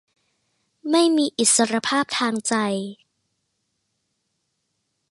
ไม่มีอิสรภาพทางใจ